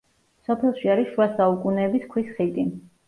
სოფელში არის შუა საუკუნეების ქვის ხიდი.